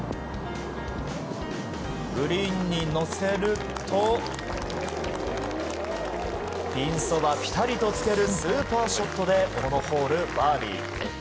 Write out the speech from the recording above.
グリーンに乗せるとピンそばぴたりとつけるスーパーショットでこのホール、バーディー。